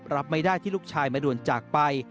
รับไม่ได้ที่ลูกชายมาด่วนจากไป